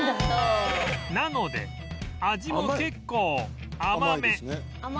なので味も結構甘め